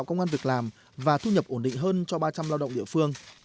ngăn việc làm và thu nhập ổn định hơn cho ba trăm linh lao động địa phương